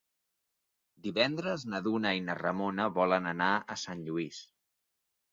Divendres na Duna i na Ramona volen anar a Sant Lluís.